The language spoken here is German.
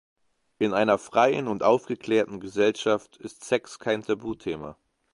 In einer freien und aufgeklärten Gesellschaft ist Sex kein Tabuthema.